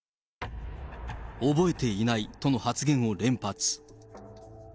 覚えていないとの発言を連発。